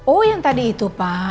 oh yang tadi itu pak